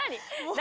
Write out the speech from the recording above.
何？